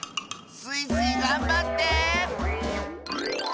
スイスイがんばって！